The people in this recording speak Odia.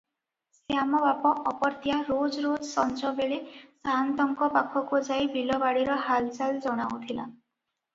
ଶ୍ୟାମ ବାପ ଅପର୍ତ୍ତିଆ ରୋଜରୋଜ ସଞ୍ଜବେଳେ ସାଆନ୍ତଙ୍କ ପାଖକୁ ଯାଇ ବିଲବାଡ଼ିର ହାଲଚାଲ ଜଣାଉଥିଲା